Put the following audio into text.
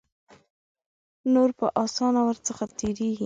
نور په آسانه ور څخه تیریږي.